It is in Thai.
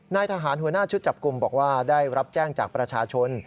นายทหารหัวหน้าชุดจับกลุ่มบอกว่าได้รับแจ้งจากประชาชน